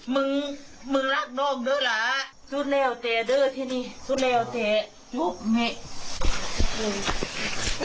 สู้เล่าเจ๊ด้วยที่นี่สู้เล่าเจ๊